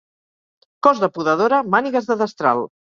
Cos de podadora, mànigues de destral.